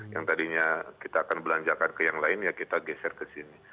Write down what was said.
yang tadinya kita akan belanjakan ke yang lain ya kita geser ke sini